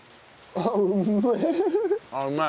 あっうまい！